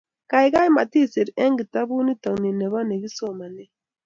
Gaigai, matisir eng kitabut nitokni nebo negisomanee